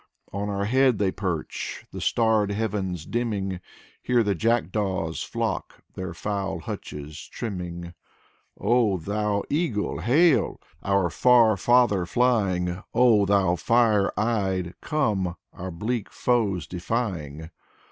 On our heads they perch. The starred heavens dimming. Here the jackdaws flock, Their foul hutches trimming. 38 Alexey K. Tolstoy Oh, thou eagle, hail! Our far father flying, Oh, thou fire eyed, come, Our bleak foes defying.